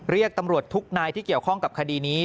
เรียกตำรวจทุกนายที่เกี่ยวข้องกับคดีนี้